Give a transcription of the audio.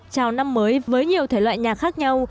chào năm mới với nhiều thể loại nhà khác nhau